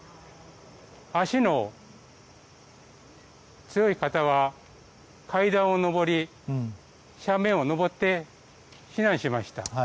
足の強い方は階段を上り斜面を上って、避難しました。